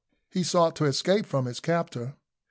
He sought to escape from his captor.